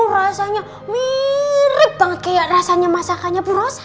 rasanya mirip banget kayak rasanya masakannya bu rosa